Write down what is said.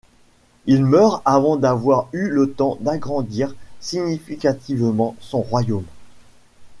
Il meurt avant d'avoir eu le temps d'agrandir significativement son royaume.